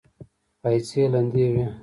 پايڅې يې لندې وې.